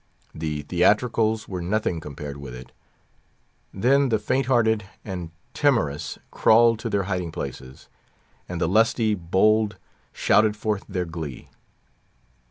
The Theatricals were nothing compared with it. Then the faint hearted and timorous crawled to their hiding places, and the lusty and bold shouted forth their glee.